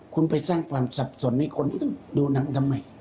คุณไปสร้างความทรัพย์สนให้คนดูหนังทำไม